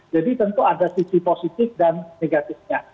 tentu ada sisi positif dan negatifnya